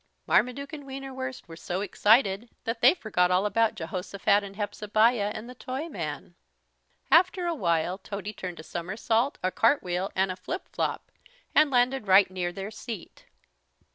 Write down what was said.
Marmaduke and Wienerwurst were so excited that they forgot all about Jehosophat and Hepzebiah and the Toyman. After a while Tody turned a somersault, a cartwheel, and a flipflop, and landed right near their seat.